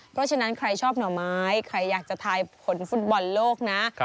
เพราะฉะนั้นใครชอบหน่อไม้ใครอยากจะทายผลฟุตบอลโลกนะ